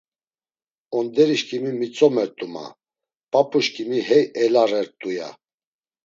Onderişǩimi mitzomert̆u, ma; p̌ap̌uşǩimi hey elarert̆u, ya.